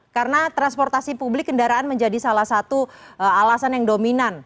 karena transportasi publik kendaraan menjadi salah satu alasan yang dominan